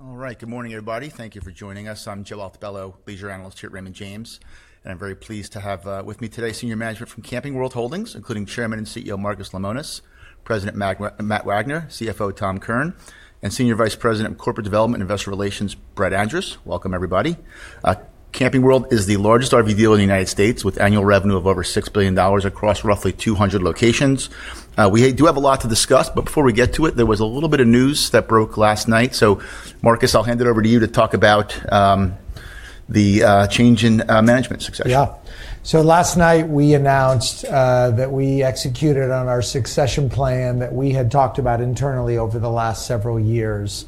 All right, good morning, everybody. Thank you for joining us. I'm Joe Altobello, Leisure Analyst here at Raymond James, and I'm very pleased to have with me today senior management from Camping World Holdings, including Chairman and CEO Marcus Lemonis, President Matt Wagner, CFO Tom Kern, and Senior Vice President of Corporate Development and Investor Relations, Brett Andress. Welcome, everybody. Camping World is the largest RV dealer in the United States, with annual revenue of over $6 billion across roughly 200 locations. We do have a lot to discuss, but before we get to it, there was a little bit of news that broke last night. So, Marcus, I'll hand it over to you to talk about the change in management succession. Yeah, so last night we announced that we executed on our succession plan that we had talked about internally over the last several years.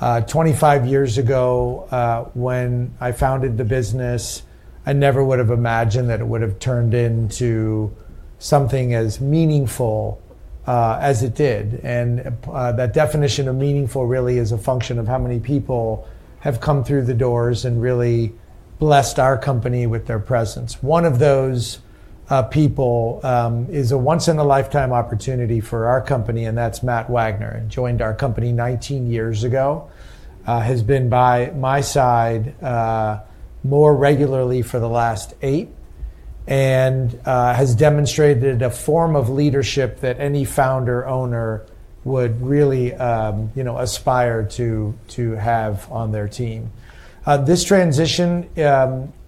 Twenty-five years ago, when I founded the business, I never would have imagined that it would have turned into something as meaningful as it did, and that definition of meaningful really is a function of how many people have come through the doors and really blessed our company with their presence. One of those people is a once-in-a-lifetime opportunity for our company, and that's Matt Wagner. He joined our company 19 years ago, has been by my side more regularly for the last eight, and has demonstrated a form of leadership that any founder/owner would really aspire to have on their team. This transition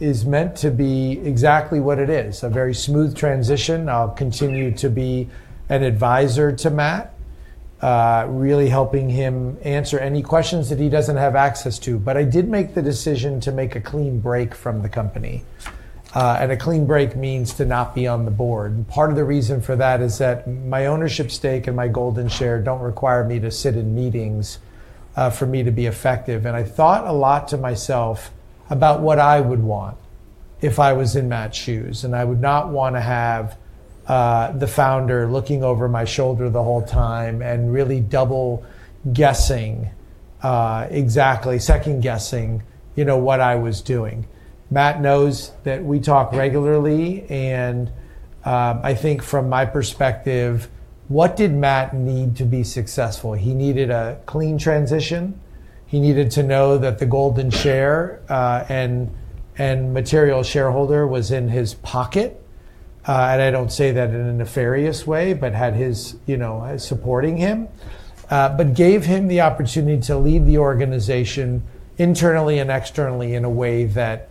is meant to be exactly what it is: a very smooth transition. I'll continue to be an advisor to Matt, really helping him answer any questions that he doesn't have access to. But I did make the decision to make a clean break from the company. And a clean break means to not be on the board. And part of the reason for that is that my ownership stake and my Golden Share don't require me to sit in meetings for me to be effective. And I thought a lot to myself about what I would want if I was in Matt's shoes. And I would not want to have the founder looking over my shoulder the whole time and really double-guessing, exactly second-guessing, you know, what I was doing. Matt knows that we talk regularly. And I think from my perspective, what did Matt need to be successful? He needed a clean transition. He needed to know that the Golden Share and material shareholder was in his pocket. And I don't say that in a nefarious way, but had his, you know, supporting him, but gave him the opportunity to lead the organization internally and externally in a way that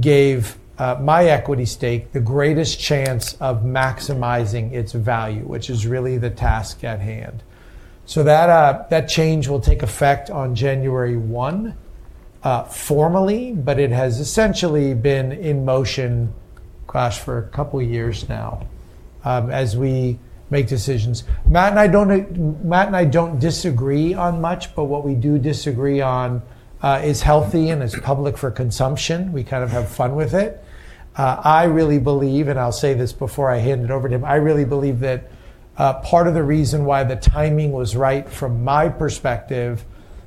gave my equity stake the greatest chance of maximizing its value, which is really the task at hand. So that change will take effect on January 1, formally, but it has essentially been in motion, gosh, for a couple of years now as we make decisions. Matt and I don't disagree on much, but what we do disagree on is healthy and is public for consumption. We kind of have fun with it. I really believe, and I'll say this before I hand it over to him, I really believe that part of the reason why the timing was right from my perspective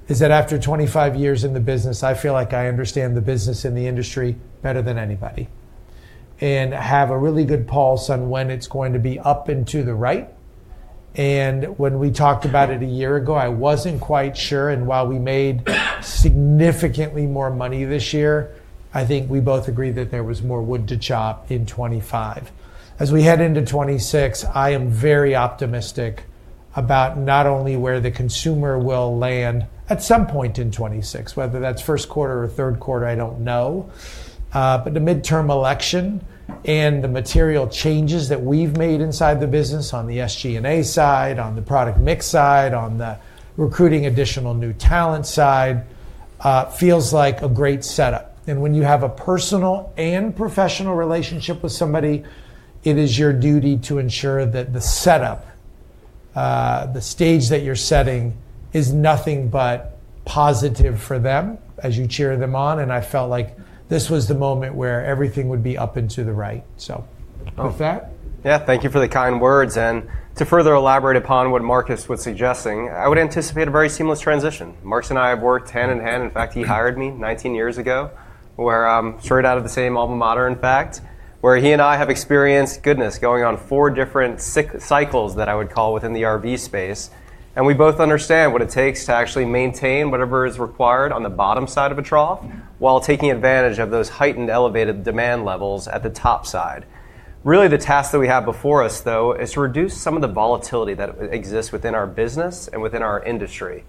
is that after 25 years in the business, I feel like I understand the business and the industry better than anybody and have a really good pulse on when it's going to be up and to the right. And when we talked about it a year ago, I wasn't quite sure. And while we made significantly more money this year, I think we both agreed that there was more wood to chop in 2025. As we head into 2026, I am very optimistic about not only where the consumer will land at some point in 2026, whether that's first quarter or third quarter, I don't know, but the midterm election and the material changes that we've made inside the business on the SG&A side, on the product mix side, on the recruiting additional new talent side feels like a great setup. And when you have a personal and professional relationship with somebody, it is your duty to ensure that the setup, the stage that you're setting, is nothing but positive for them as you cheer them on. And I felt like this was the moment where everything would be up and to the right. So with that. Yeah, thank you for the kind words. And to further elaborate upon what Marcus was suggesting, I would anticipate a very seamless transition. Marcus and I have worked hand in hand. In fact, he hired me 19 years ago, straight out of the same alma mater, in fact, where he and I have experienced, goodness, going on four different cycles that I would call within the RV space. And we both understand what it takes to actually maintain whatever is required on the bottom side of a trough while taking advantage of those heightened, elevated demand levels at the top side. Really, the task that we have before us, though, is to reduce some of the volatility that exists within our business and within our industry.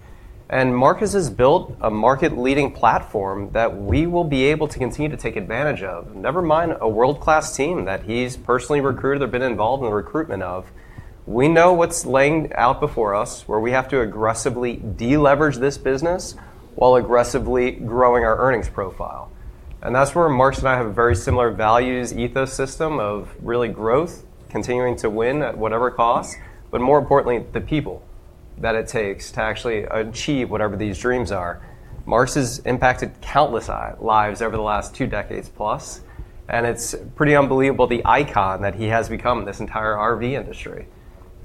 Marcus has built a market-leading platform that we will be able to continue to take advantage of, never mind a world-class team that he's personally recruited or been involved in the recruitment of. We know what's laying out before us, where we have to aggressively deleverage this business while aggressively growing our earnings profile. That's where Marcus and I have a very similar values ecosystem of really growth, continuing to win at whatever cost, but more importantly, the people that it takes to actually achieve whatever these dreams are. Marcus has impacted countless lives over the last two decades plus, and it's pretty unbelievable the icon that he has become in this entire RV industry.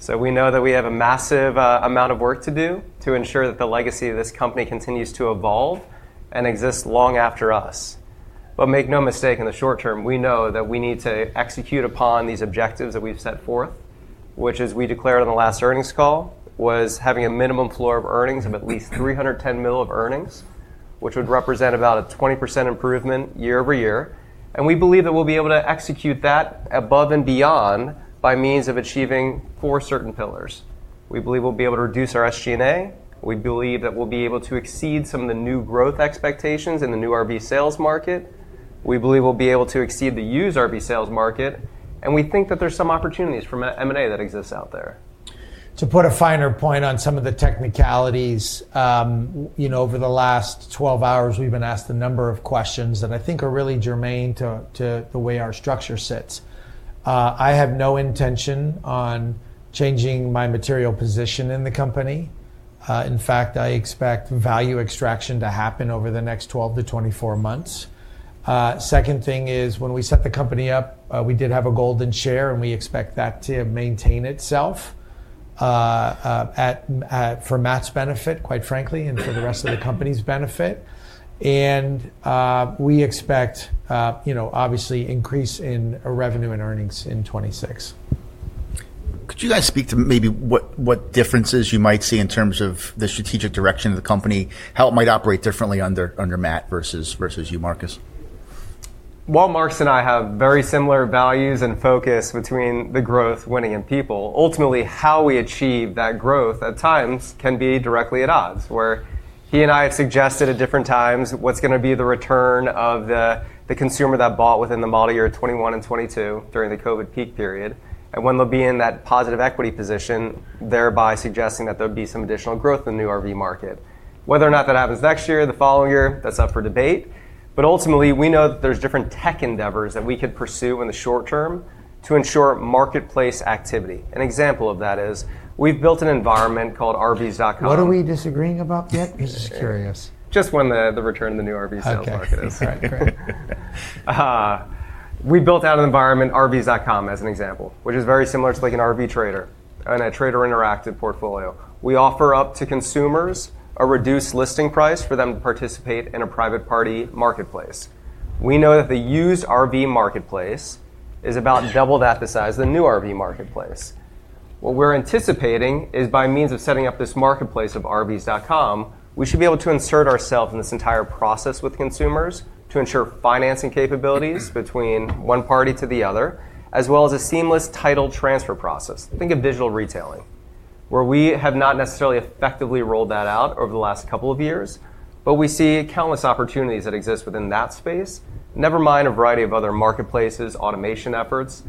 We know that we have a massive amount of work to do to ensure that the legacy of this company continues to evolve and exist long after us. But make no mistake, in the short term, we know that we need to execute upon these objectives that we've set forth, which, as we declared on the last earnings call, was having a minimum floor of earnings of at least $310 million of earnings, which would represent about a 20% improvement year over year. And we believe that we'll be able to execute that above and beyond by means of achieving four certain pillars. We believe we'll be able to reduce our SG&A. We believe that we'll be able to exceed some of the new growth expectations in the new RV sales market. We believe we'll be able to exceed the used RV sales market. And we think that there's some opportunities for M&A that exist out there. To put a finer point on some of the technicalities, you know, over the last 12 hours, we've been asked a number of questions that I think are really germane to the way our structure sits. I have no intention on changing my material position in the company. In fact, I expect value extraction to happen over the next 12 to 24 months. Second thing is, when we set the company up, we did have a Golden Share, and we expect that to maintain itself for Matt's benefit, quite frankly, and for the rest of the company's benefit. And we expect, you know, obviously, an increase in revenue and earnings in 2026. Could you guys speak to maybe what differences you might see in terms of the strategic direction of the company, how it might operate differently under Matt versus you, Marcus? Marcus and I have very similar values and focus between the growth, winning, and people. Ultimately, how we achieve that growth at times can be directly at odds, where he and I have suggested at different times what's going to be the return of the consumer that bought within the model year 2021 and 2022 during the COVID peak period, and when they'll be in that positive equity position, thereby suggesting that there'll be some additional growth in the new RV market. Whether or not that happens next year or the following year, that's up for debate. But ultimately, we know that there's different tech endeavors that we could pursue in the short term to ensure marketplace activity. An example of that is we've built an environment called rvs.com. What are we disagreeing about yet? Just curious. Just when the return of the new RV sales market is. We built out an environment, rvs.com, as an example, which is very similar to like an RV Trader, a Trader Interactive portfolio. We offer up to consumers a reduced listing price for them to participate in a private-party marketplace. We know that the used RV marketplace is about double the size of the new RV marketplace. What we're anticipating is, by means of setting up this marketplace of rvs.com, we should be able to insert ourselves in this entire process with consumers to ensure financing capabilities between one party to the other, as well as a seamless title transfer process. Think of digital retailing, where we have not necessarily effectively rolled that out over the last couple of years, but we see countless opportunities that exist within that space, never mind a variety of other marketplaces, automation efforts.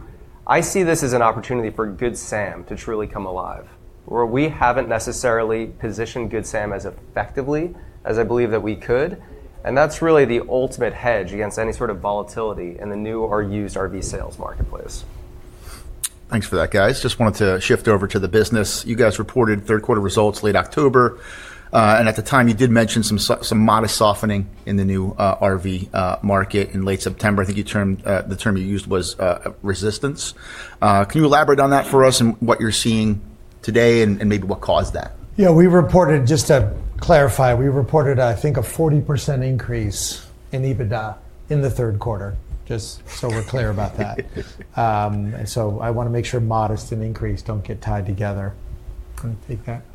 I see this as an opportunity for Good Sam to truly come alive, where we haven't necessarily positioned Good Sam as effectively as I believe that we could, and that's really the ultimate hedge against any sort of volatility in the new or used RV sales marketplace. Thanks for that, guys. Just wanted to shift over to the business. You guys reported third quarter results late October. At the time, you did mention some modest softening in the new RV market in late September. I think the term you used was resistance. Can you elaborate on that for us and what you're seeing today and maybe what caused that? Yeah, we reported, just to clarify, we reported, I think, a 40% increase in EBITDA in the third quarter, just so we're clear about that. And so I want to make sure modest and increase don't get tied together.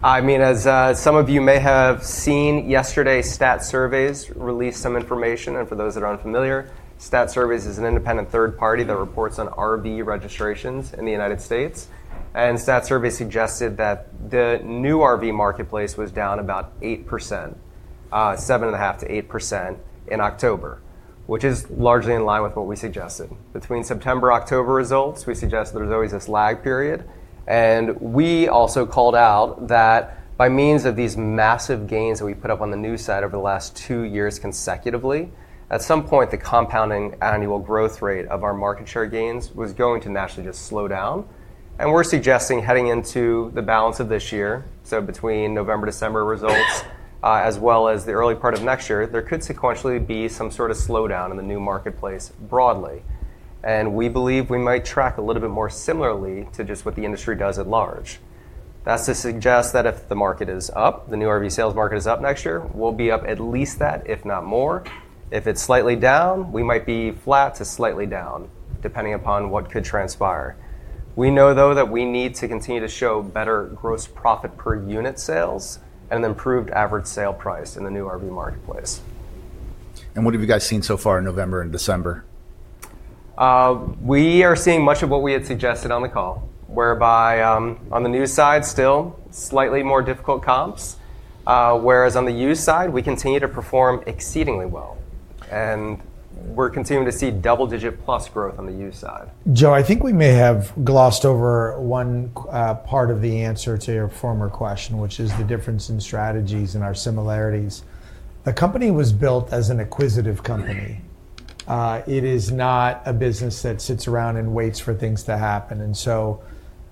I mean, as some of you may have seen, yesterday, Statistical Surveys released some information. And for those that aren't familiar, Statistical Surveys is an independent third party that reports on RV registrations in the United States. And Statistical Surveys suggested that the new RV marketplace was down about 8%, 7.5%-8% in October, which is largely in line with what we suggested. Between September and October results, we suggested there's always this lag period. And we also called out that by means of these massive gains that we put up in unit sales over the last two years consecutively, at some point, the compounding annual growth rate of our market share gains was going to naturally just slow down. We're suggesting heading into the balance of this year, so between November, December results, as well as the early part of next year, there could sequentially be some sort of slowdown in the new marketplace broadly. We believe we might track a little bit more similarly to just what the industry does at large. That's to suggest that if the market is up, the new RV sales market is up next year, we'll be up at least that, if not more. If it's slightly down, we might be flat to slightly down, depending upon what could transpire. We know, though, that we need to continue to show better gross profit per unit sales and an improved average sale price in the new RV marketplace. What have you guys seen so far in November and December? We are seeing much of what we had suggested on the call, whereby on the new side, still slightly more difficult comps, whereas on the used side, we continue to perform exceedingly well, and we're continuing to see double-digit plus growth on the used side. Joe, I think we may have glossed over one part of the answer to your former question, which is the difference in strategies and our similarities. The company was built as an acquisitive company. It is not a business that sits around and waits for things to happen. And so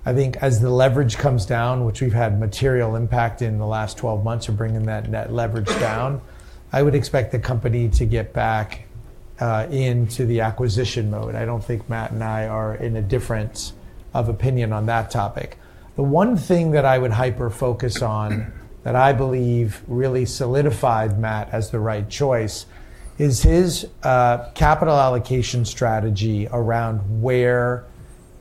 I think as the leverage comes down, which we've had material impact in the last 12 months of bringing that leverage down, I would expect the company to get back into the acquisition mode. I don't think Matt and I are in a difference of opinion on that topic. The one thing that I would hyper-focus on that I believe really solidified Matt as the right choice is his capital allocation strategy around where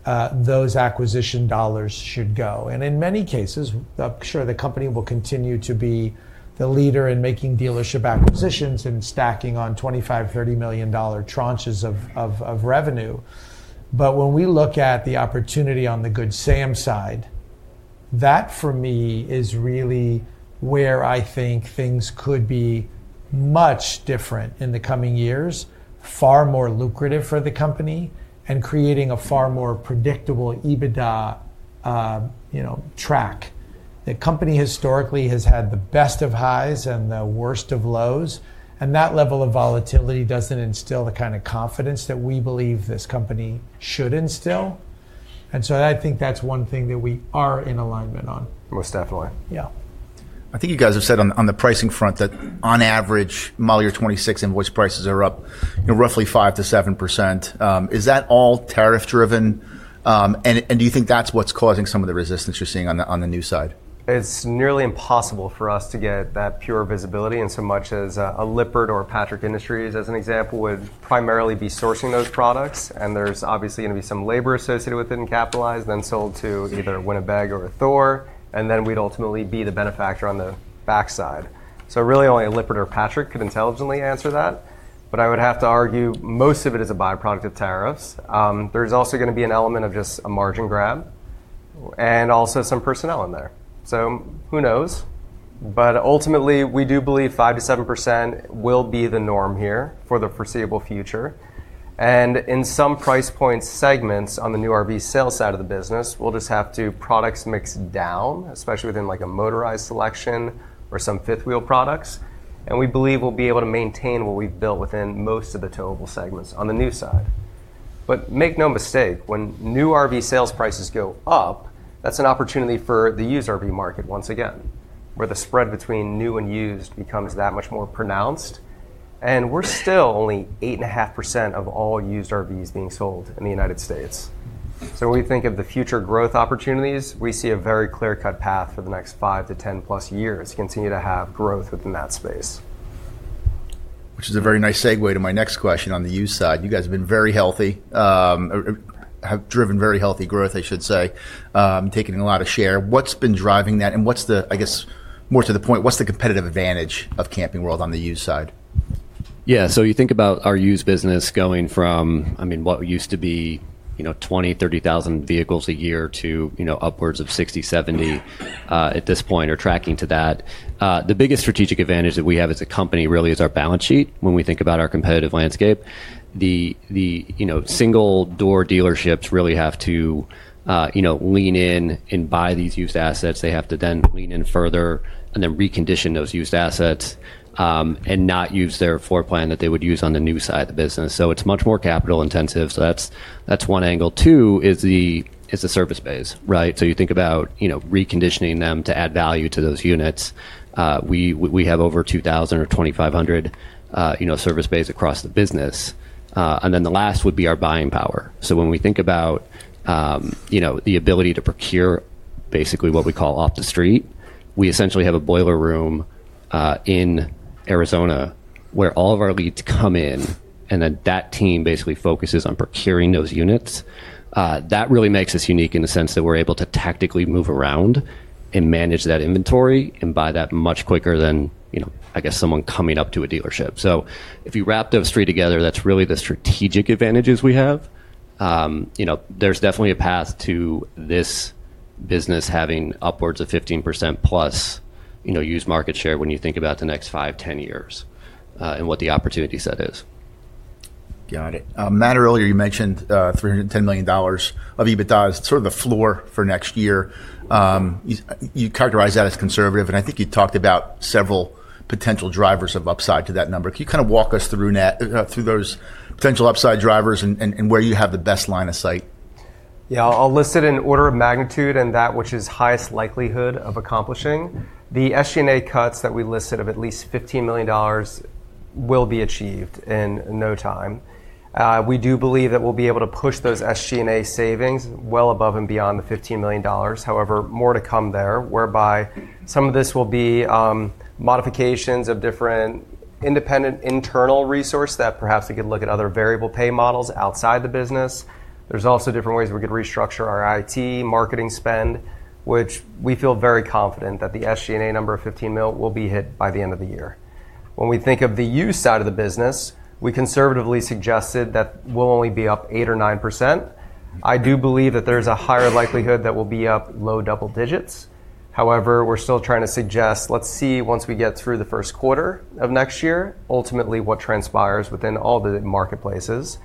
those acquisition dollars should go. And in many cases, I'm sure the company will continue to be the leader in making dealership acquisitions and stacking on $25-$30 million tranches of revenue. But when we look at the opportunity on the Good Sam side, that for me is really where I think things could be much different in the coming years, far more lucrative for the company and creating a far more predictable EBITDA track. The company historically has had the best of highs and the worst of lows. And that level of volatility doesn't instill the kind of confidence that we believe this company should instill. And so I think that's one thing that we are in alignment on. Most definitely. Yeah, I think you guys have said on the pricing front that on average, model year 2026 invoice prices are up roughly 5% to 7%. Is that all tariff-driven? And do you think that's what's causing some of the resistance you're seeing on the new side? It's nearly impossible for us to get that pure visibility in so much as a Lippert or Patrick Industries, as an example, would primarily be sourcing those products. And there's obviously going to be some labor associated with it and capitalized and then sold to either Winnebago or Thor, and then we'd ultimately be the benefactor on the backside. So really, only a Lippert or Patrick could intelligently answer that. But I would have to argue most of it is a byproduct of tariffs. There's also going to be an element of just a margin grab and also some personnel in there. So who knows? But ultimately, we do believe 5%-7% will be the norm here for the foreseeable future. In some price point segments on the new RV sales side of the business, we'll just have product mix down, especially within like a motorized selection or some fifth-wheel products. We believe we'll be able to maintain what we've built within most of the towable segments on the new side. Make no mistake, when new RV sales prices go up, that's an opportunity for the used RV market once again, where the spread between new and used becomes that much more pronounced. We're still only 8.5% of all used RVs being sold in the United States. When we think of the future growth opportunities, we see a very clear-cut path for the next 5 to 10-plus years to continue to have growth within that space. Which is a very nice segue to my next question on the used side. You guys have been very healthy, have driven very healthy growth, I should say, taking a lot of share. What's been driving that? And what's the, I guess, more to the point, what's the competitive advantage of Camping World on the used side? Yeah, so you think about our used business going from, I mean, what used to be 20,000, 30,000 vehicles a year to upwards of 60,000, 70,000 at this point or tracking to that. The biggest strategic advantage that we have as a company really is our balance sheet when we think about our competitive landscape. The single-door dealerships really have to lean in and buy these used assets. They have to then lean in further and then recondition those used assets and not use their floor plan that they would use on the new side of the business. So it's much more capital intensive. So that's one angle. Two is the service bays, right? So you think about reconditioning them to add value to those units. We have over 2,000 or 2,500 service bays across the business. And then the last would be our buying power. So when we think about the ability to procure basically what we call off the street, we essentially have a boiler room in Arizona where all of our leads come in, and then that team basically focuses on procuring those units. That really makes us unique in the sense that we're able to tactically move around and manage that inventory and buy that much quicker than, I guess, someone coming up to a dealership. So if you wrap those three together, that's really the strategic advantages we have. There's definitely a path to this business having upwards of 15% plus used market share when you think about the next 5-10 years and what the opportunity set is. Got it. Matt, earlier you mentioned $310 million of EBITDA as sort of the floor for next year. You characterize that as conservative, and I think you talked about several potential drivers of upside to that number. Can you kind of walk us through those potential upside drivers and where you have the best line of sight? Yeah, I'll list it in order of magnitude and that which is highest likelihood of accomplishing. The SG&A cuts that we listed of at least $15 million will be achieved in no time. We do believe that we'll be able to push those SG&A savings well above and beyond the $15 million. However, more to come there, whereby some of this will be modifications of different independent internal resources that perhaps we could look at other variable pay models outside the business. There's also different ways we could restructure our IT marketing spend, which we feel very confident that the SG&A number of $15 million will be hit by the end of the year. When we think of the used side of the business, we conservatively suggested that we'll only be up 8% or 9%. I do believe that there's a higher likelihood that we'll be up low double digits. However, we're still trying to suggest. Let's see, once we get through the first quarter of next year, ultimately what transpires within all the marketplaces.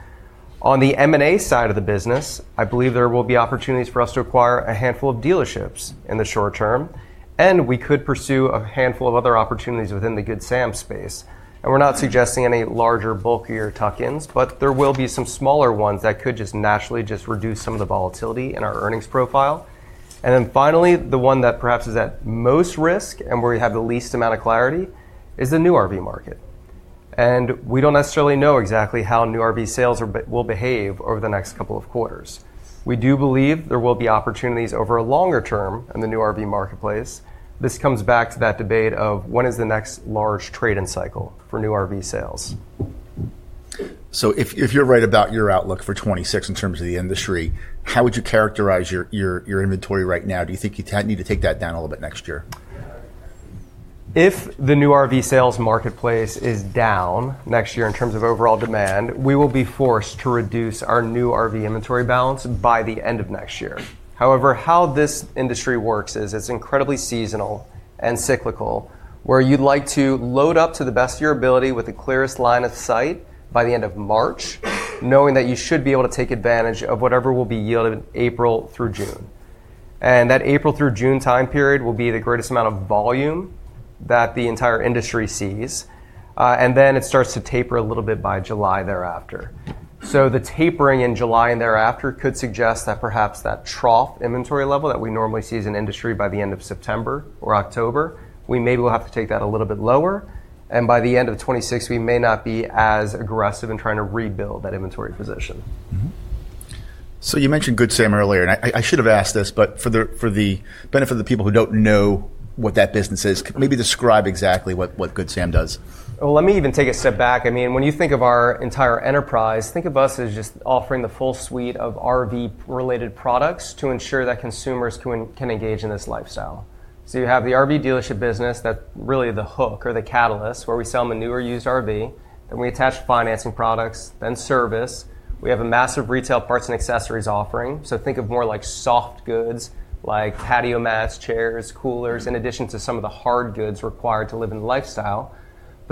On the M&A side of the business, I believe there will be opportunities for us to acquire a handful of dealerships in the short term, and we could pursue a handful of other opportunities within the Good Sam space, and we're not suggesting any larger bulkier tuck-ins, but there will be some smaller ones that could just naturally just reduce some of the volatility in our earnings profile, and then finally, the one that perhaps is at most risk and where we have the least amount of clarity is the new RV market, and we don't necessarily know exactly how new RV sales will behave over the next couple of quarters. We do believe there will be opportunities over a longer term in the new RV marketplace. This comes back to that debate of when is the next large trade-in cycle for new RV sales. So if you're right about your outlook for 2026 in terms of the industry, how would you characterize your inventory right now? Do you think you need to take that down a little bit next year? If the new RV sales marketplace is down next year in terms of overall demand, we will be forced to reduce our new RV inventory balance by the end of next year. However, how this industry works is it's incredibly seasonal and cyclical, where you'd like to load up to the best of your ability with the clearest line of sight by the end of March, knowing that you should be able to take advantage of whatever will be yielded in April through June, and that April through June time period will be the greatest amount of volume that the entire industry sees, and then it starts to taper a little bit by July thereafter. So the tapering in July and thereafter could suggest that perhaps that trough inventory level that we normally see as an industry by the end of September or October, we maybe will have to take that a little bit lower. And by the end of 2026, we may not be as aggressive in trying to rebuild that inventory position. So you mentioned Good Sam earlier. And I should have asked this, but for the benefit of the people who don't know what that business is, maybe describe exactly what Good Sam does. Let me even take a step back. I mean, when you think of our entire enterprise, think of us as just offering the full suite of RV-related products to ensure that consumers can engage in this lifestyle. You have the RV dealership business that's really the hook or the catalyst where we sell new and used RVs. We attach financing products, then service. We have a massive retail parts and accessories offering. Think of more like soft goods like patio mats, chairs, coolers in addition to some of the hard goods required to live the lifestyle.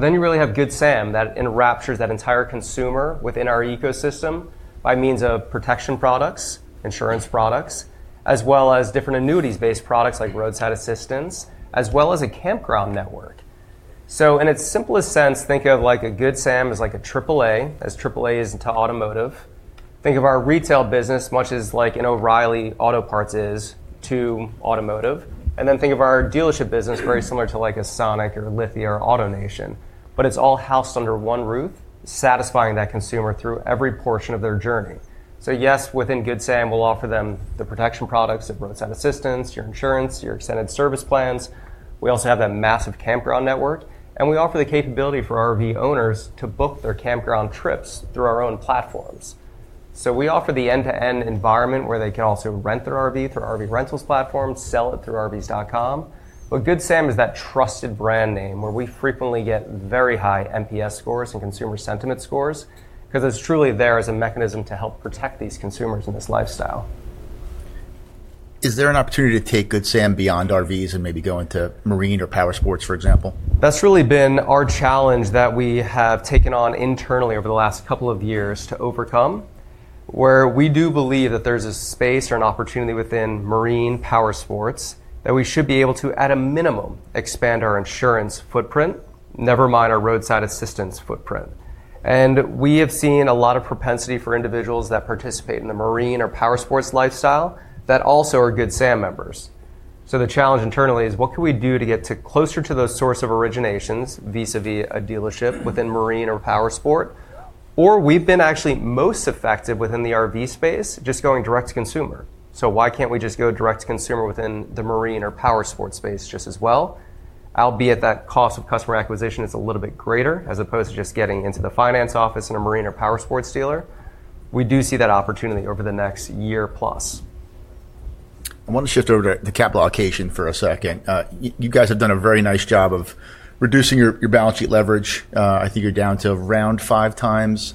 You really have Good Sam that encapsulates that entire consumer within our ecosystem by means of protection products, insurance products, as well as different affinity-based products like roadside assistance, as well as a campground network. So in its simplest sense, think of like a Good Sam as like a AAA, as AAA is into automotive. Think of our retail business much as like an O'Reilly Auto Parts is to automotive. And then think of our dealership business very similar to like a Sonic or Lithia or AutoNation. But it's all housed under one roof, satisfying that consumer through every portion of their journey. So yes, within Good Sam, we'll offer them the protection products, the roadside assistance, your insurance, your extended service plans. We also have that massive campground network. And we offer the capability for RV owners to book their campground trips through our own platforms. So we offer the end-to-end environment where they can also rent their RV through our RV rentals platform, sell it through rvs.com. But Good Sam is that trusted brand name where we frequently get very high NPS scores and consumer sentiment scores because it's truly there as a mechanism to help protect these consumers in this lifestyle. Is there an opportunity to take Good Sam beyond RVs and maybe go into marine or power sports, for example? That's really been our challenge that we have taken on internally over the last couple of years to overcome, where we do believe that there's a space or an opportunity within marine power sports that we should be able to, at a minimum, expand our insurance footprint, never mind our roadside assistance footprint, and we have seen a lot of propensity for individuals that participate in the marine or power sports lifestyle that also are Good Sam members, so the challenge internally is, what can we do to get closer to those sources of originations vis-à-vis a dealership within marine or power sport, or we've been actually most effective within the RV space just going direct to consumer, so why can't we just go direct to consumer within the marine or power sports space just as well? Albeit that cost of customer acquisition is a little bit greater as opposed to just getting into the finance office in a marine or power sports dealer. We do see that opportunity over the next year plus. I want to shift over to the capital allocation for a second. You guys have done a very nice job of reducing your balance sheet leverage. I think you're down to around five times,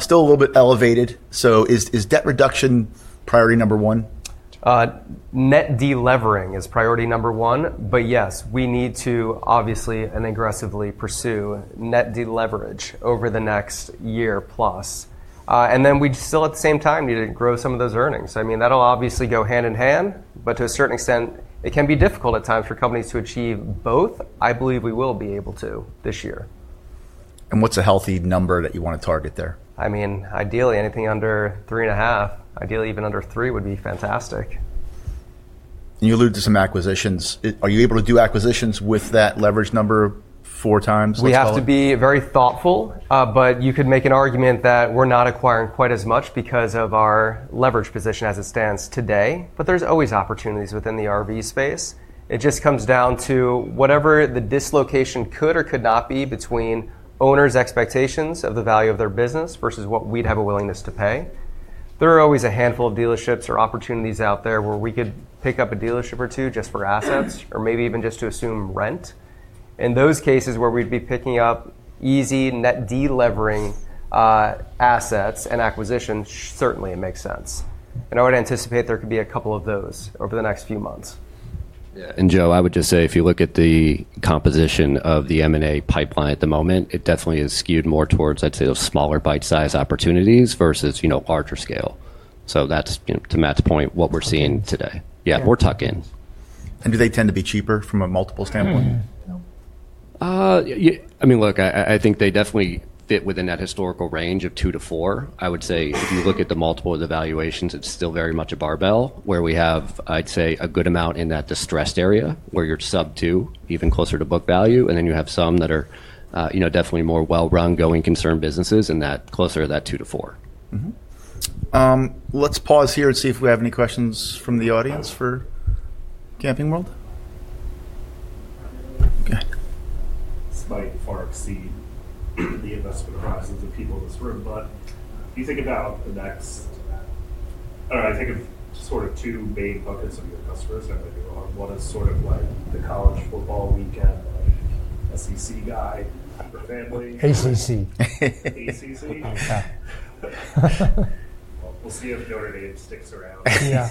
still a little bit elevated. So is debt reduction priority number one? Net delevering is priority number one. But yes, we need to obviously and aggressively pursue net deleverage over the next year plus. And then we still, at the same time, need to grow some of those earnings. I mean, that'll obviously go hand in hand, but to a certain extent, it can be difficult at times for companies to achieve both. I believe we will be able to this year. What's a healthy number that you want to target there? I mean, ideally, anything under three and a half. Ideally, even under three would be fantastic. You alluded to some acquisitions. Are you able to do acquisitions with that leverage number four times or so? We have to be very thoughtful, but you could make an argument that we're not acquiring quite as much because of our leverage position as it stands today, but there's always opportunities within the RV space. It just comes down to whatever the dislocation could or could not be between owners' expectations of the value of their business versus what we'd have a willingness to pay. There are always a handful of dealerships or opportunities out there where we could pick up a dealership or two just for assets or maybe even just to assume rent. In those cases where we'd be picking up easy net delevering assets and acquisitions, certainly it makes sense, and I would anticipate there could be a couple of those over the next few months. Yeah, and Joe, I would just say if you look at the composition of the M&A pipeline at the moment, it definitely is skewed more towards, I'd say, those smaller bite-sized opportunities versus larger scale, so that's, to Matt's point, what we're seeing today. Yeah, more tuck-ins. Do they tend to be cheaper from a multiple standpoint? No. I mean, look, I think they definitely fit within that historical range of two to four. I would say if you look at the multiple of the valuations, it's still very much a barbell where we have, I'd say, a good amount in that distressed area where you're sub two, even closer to book value. And then you have some that are definitely more well-run, going concern businesses in that closer to that two to four. Let's pause here and see if we have any questions from the audience for Camping World. Okay. Sales far exceed the expectations of people in this room. But if you think about it, I don't know, you think of sort of two main buckets of your customers, what is sort of like the college football weekend SEC guy for family? ACC. ACC? Yeah. We'll see if Notre Dame sticks around. Yeah.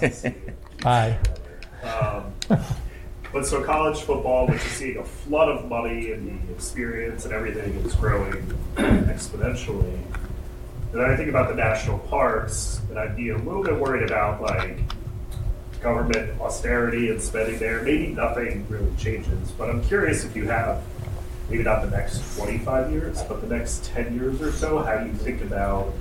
But so college football, which is seeing a flood of money and the experience and everything, is growing exponentially. And then I think about the national parks, and I'd be a little bit worried about government austerity and spending there. Maybe nothing really changes. But I'm curious if you have, maybe not the next 25 years, but the next 10 years or so, how you think about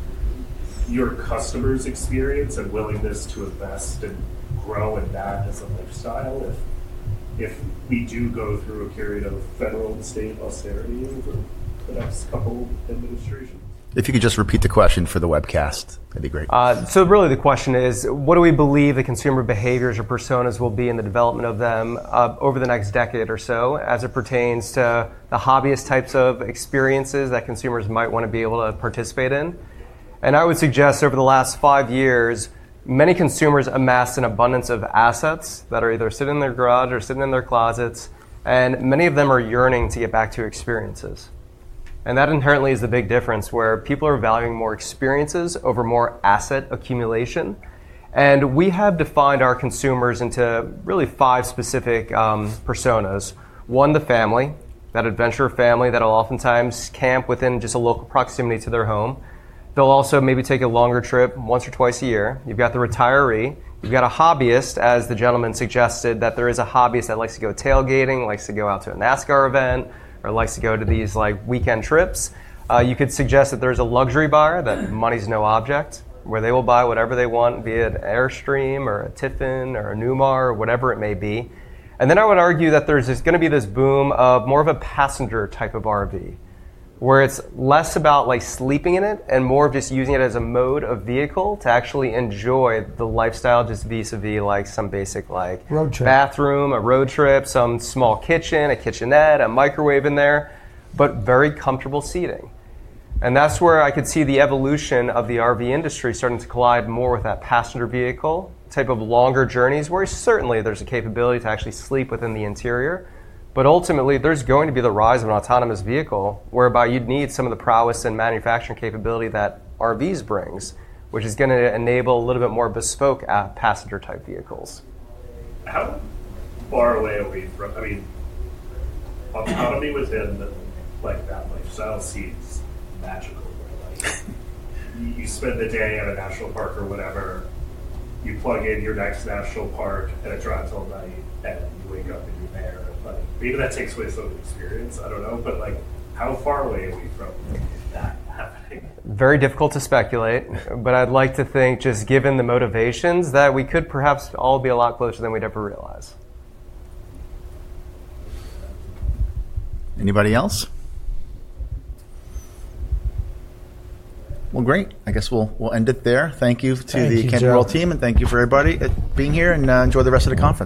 your customers' experience and willingness to invest and grow in that as a lifestyle if we do go through a period of federal and state austerity over the next couple of administrations. If you could just repeat the question for the webcast, that'd be great. So really the question is, what do we believe the consumer behaviors or personas will be in the development of them over the next decade or so as it pertains to the hobbyist types of experiences that consumers might want to be able to participate in? And I would suggest over the last five years, many consumers amassed an abundance of assets that are either sitting in their garage or sitting in their closets. And many of them are yearning to get back to experiences. And that inherently is the big difference where people are valuing more experiences over more asset accumulation. And we have defined our consumers into really five specific personas. One, the family, that adventure family that will oftentimes camp within just a local proximity to their home. They'll also maybe take a longer trip once or twice a year. You've got the retiree. You've got a hobbyist, as the gentleman suggested, that there is a hobbyist that likes to go tailgating, likes to go out to a NASCAR event, or likes to go to these weekend trips. You could suggest that there's a luxury buyer that money's no object, where they will buy whatever they want, be it Airstream or a Tiffin or a Newmar or whatever it may be, and then I would argue that there's going to be this boom of more of a passenger type of RV, where it's less about sleeping in it and more of just using it as a mode of vehicle to actually enjoy the lifestyle just vis-à-vis some basic bathroom, a road trip, some small kitchen, a kitchenette, a microwave in there, but very comfortable seating. And that's where I could see the evolution of the RV industry starting to collide more with that passenger vehicle type of longer journeys, where certainly there's a capability to actually sleep within the interior. But ultimately, there's going to be the rise of an autonomous vehicle whereby you'd need some of the prowess and manufacturing capability that RVs brings, which is going to enable a little bit more bespoke passenger-type vehicles. How far away are we from, I mean, autonomy within that lifestyle seems magical. You spend the day at a national park or whatever. You plug in your next national park and it drives all night, and you wake up and you're there. Maybe that takes away some of the experience. I don't know. But how far away are we from that happening? Very difficult to speculate, but I'd like to think, just given the motivations, that we could perhaps all be a lot closer than we'd ever realize. Anybody else? Well, great. I guess we'll end it there. Thank you to the Camping World team, and thank you for everybody being here, and enjoy the rest of the conference.